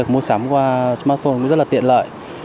mua sắm qua smartphone cũng rất là tiện lợi